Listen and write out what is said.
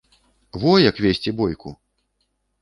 Во як весці бойку!